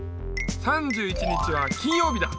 ３１日は金曜日だ！